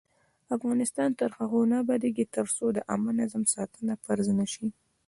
افغانستان تر هغو نه ابادیږي، ترڅو د عامه نظم ساتنه فرض نشي.